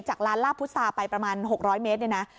จากร้านลาบพุษาไปประมาณ๖๐๐เมตรเนี่ยนะ